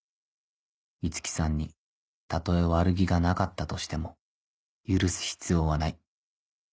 五木さんにたとえ悪気がなかったとしても許す必要はない。